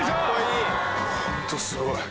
ホントすごい。